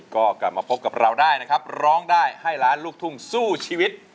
ก็กลับมาพบกับเราได้นะครับร้องได้ให้ล้านลูกทุ่งสู้ชีวิต